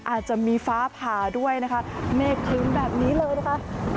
อาจจะมีฟ้าผ่าด้วยนะคะเมฆคลื้นแบบนี้เลยนะคะ